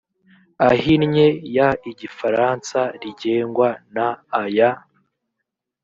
ahinnye y igifaransa rigengwa n aya